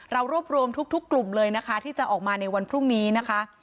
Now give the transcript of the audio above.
เรารวบรวมทุกกลุ่มเลยนะคะที่จะออกมาในวันพรุ่งนี้นะคะ